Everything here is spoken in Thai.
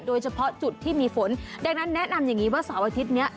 โดยเฉพาะจุดที่มีฝนดังนั้นแนะนำอย่างนี้ว่าเสาร์อาทิตย์นี้